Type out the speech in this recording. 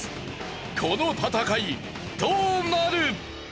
この戦いどうなる？